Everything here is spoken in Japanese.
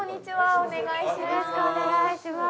お願いします。